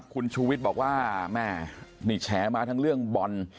คุณชูวิทย์บอกว่าแม่นี่แฉมาทั้งเรื่องบอล